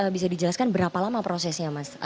bisa dijelaskan berapa lama prosesnya mas